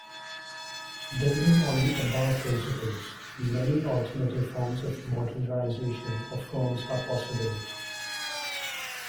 Building on the above principles, many alternative forms of modularization of firms are possible.